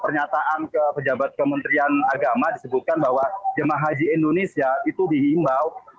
pernyataan ke pejabat kementerian agama disebutkan bahwa jemaah haji indonesia itu dihimbau